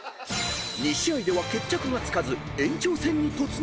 ［２試合では決着がつかず延長戦に突入！］